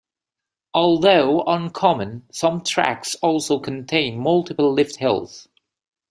Although uncommon, some tracks also contain multiple lift hills.